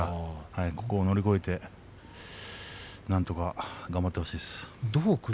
ここを乗り越えてなんとか頑張ってほしいです。